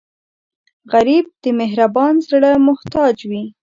غریب د مهربان زړه محتاج وي